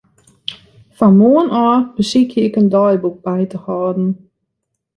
Fan moarn ôf besykje ik in deiboek by te hâlden.